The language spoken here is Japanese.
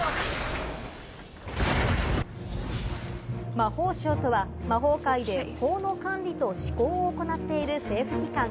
魔法省とは魔法界で法の管理と施行を行っている政府機関。